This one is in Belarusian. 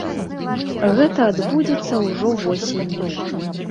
Гэта адбудзецца ўжо восенню.